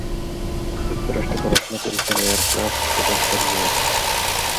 যুক্তরাষ্ট্রে পড়াশোনা করেছেন এয়ারক্রাফট প্রকৌশল নিয়ে।